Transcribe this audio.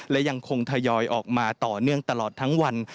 และยังคงทยอยออกมาต่อเนื่องตลอดทั้งวัน